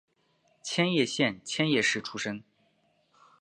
千叶县千叶市出身。